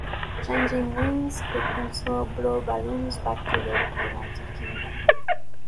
Changing winds could also blow balloons back to the United Kingdom.